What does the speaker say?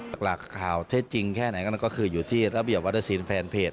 หลักข่าวเท็จจริงแค่ไหนก็คืออยู่ที่ระเบียบวาทธศิลป์แฟนเพจ